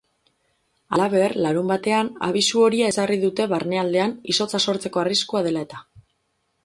Halaber, larunbatean abisu horia ezarri dute barnealdean izotza sortzeko arriskua dela eta.